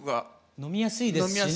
飲みやすいですしね。